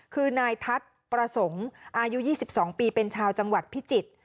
คือนายทัศน์ประสงค์อายุ๒๒ปีเป็นชาวจังหวัดพิจิตร